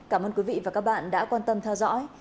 cảm ơn quý vị và các bạn đã quan tâm theo dõi